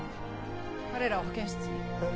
彼らを保健室にえっ？